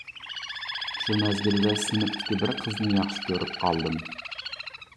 شۇ مەزگىلدە سىنىپتىكى بىر قىزنى ياخشى كۆرۈپ قالدىم.